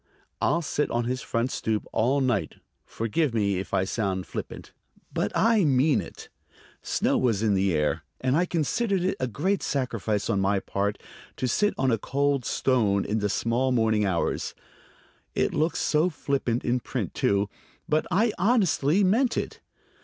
"I'll sit on his front stoop all night.... Forgive me if I sound flippant; but I mean it." Snow was in the air, and I considered it a great sacrifice on my part to sit on a cold stone in the small morning hours. It looks flippant in print, too, but I honestly meant it.